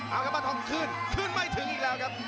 เอากระปันทองคืนคืนไม่ถึงอีกแล้วครับ